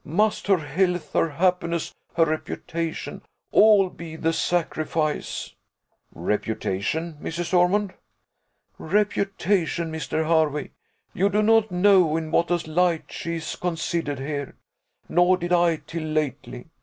Must her health, her happiness, her reputation, all be the sacrifice?" "Reputation! Mrs. Ormond." "Reputation, Mr. Hervey: you do not know in what a light she is considered here; nor did I till lately.